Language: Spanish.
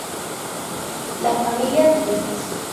La Familia Twist.